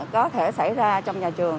có thể xảy ra trong nhà trường